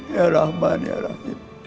ya rahman ya rahim